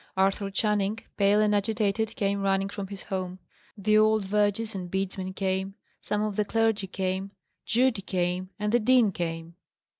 Arthur Channing, pale and agitated, came running from his home. The old vergers and bedesmen came; some of the clergy came; Judy came; and the dean came.